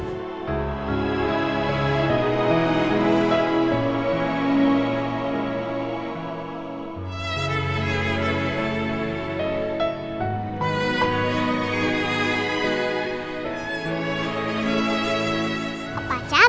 om baik habisin